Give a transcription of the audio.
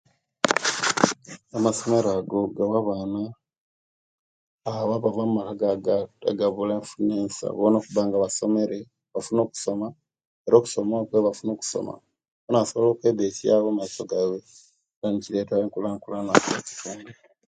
Amasomero ago gawa abaana abo abaava omuka agabula enfuna ensa bona okubanga basomere nefuna okusoma era kusoma okwo ebabanga basomere nibasobola okwebesyawo omumaiso eyo nekiletawo enkulakulana omaiso eyo